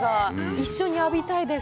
一緒に浴びたいです、